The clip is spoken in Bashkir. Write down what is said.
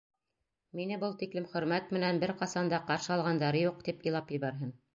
Мине был тиклем хөрмәт менән бер ҡасан да ҡаршы алғандары юҡ, тип илап ебәрһен!